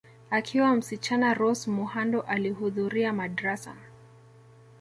Akiwa msichana Rose Muhando alihudhuria madrasa